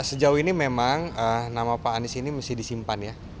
sejauh ini memang nama pak anies ini mesti disimpan ya